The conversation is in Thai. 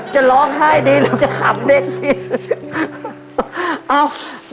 จะร้องไห้ดีลูกจะขำเด็กดีลูก